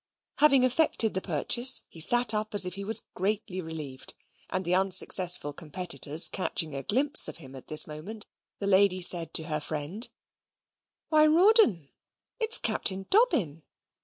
Having effected the purchase, he sate up as if he was greatly relieved, and the unsuccessful competitors catching a glimpse of him at this moment, the lady said to her friend, "Why, Rawdon, it's Captain Dobbin."